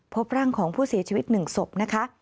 พบร่างของผู้เสียชีวิต๑ศพนะคะ